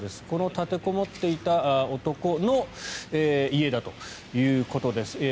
この立てこもっていた男の家だということです。